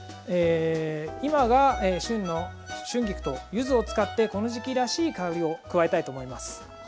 今が旬の春菊と柚子を使ってこの時期らしい香りを加えたいと思います。